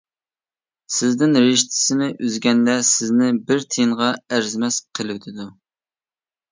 سىزدىن رىشتىسىنى ئۈزگەندە سىزنى بىر تىيىنغا ئەرزىمەس قىلىۋېتىدۇ.